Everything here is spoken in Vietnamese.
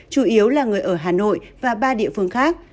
chủ yếu là người ở hà nội và ba địa phương khác